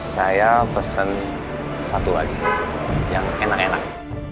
saya pesen satu lagi yang enak enak